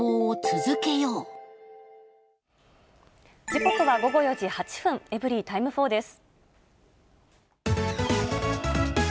時刻は午後４時８分、エブリィタイム４です。